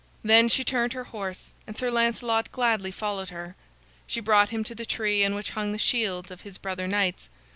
Then she turned her horse, and Sir Lancelot gladly followed her. She brought him to the tree on which hung the shields of his brother knights.